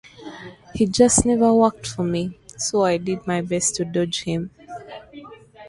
He just never worked for me, so I did my best to dodge him.